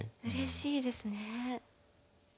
うれしいですね。